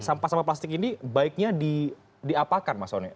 sampah sampah plastik ini baiknya diapakan mas one